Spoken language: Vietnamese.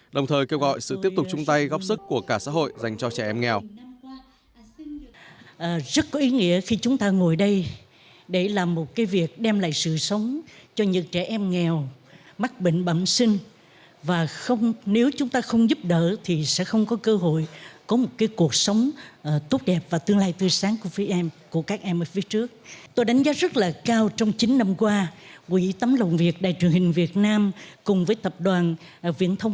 đồng thời kêu gọi sự tiếp tục chung tay góp sức của cả xã hội dành cho trẻ em nghèo